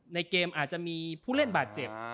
ในเกมอาจจะมีผู้เล่นบาดเจ็บ